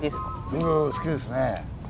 フグ好きですね。